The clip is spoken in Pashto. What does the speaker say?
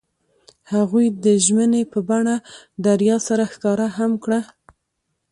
هغوی د ژمنې په بڼه دریا سره ښکاره هم کړه.